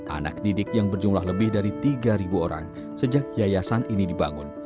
anak didik yang berjumlah lebih dari tiga orang sejak yayasan ini dibangun